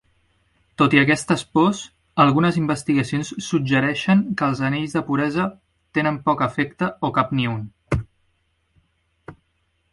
Tot i aquestes pors, algunes investigacions suggereixen que els anells de puresa tenen poc efecte o cap ni un.